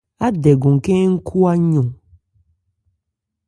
Ádɛgɔn khɛ́n ń khwa yɔn.